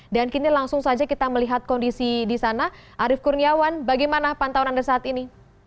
dan kini langsung saja kita melihat kondisi di sana arief kurniawan bagaimana pantauan anda saat ini